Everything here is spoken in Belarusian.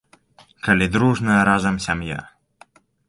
Калі дружная разам сям'я!